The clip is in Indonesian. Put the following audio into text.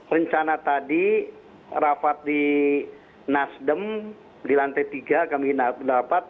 rencana tadi rapat di nasdem di lantai tiga kami dapat